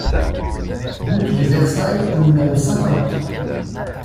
Route de Versailles au numéro cinquante